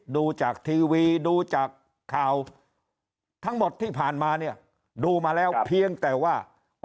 ดูจากทีวีดูจากข่าวทั้งหมดที่ผ่านมาเนี่ยดูมาแล้วเพียงแต่ว่า